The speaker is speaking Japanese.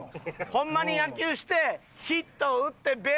ホンマに野球してヒットを打ってベース上で。